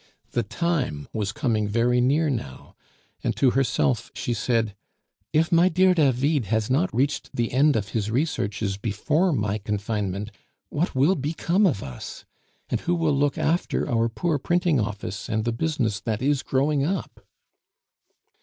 The time was coming very near now, and to herself she said, "If my dear David has not reached the end of his researches before my confinement, what will become of us? And who will look after our poor printing office and the business that is growing up?"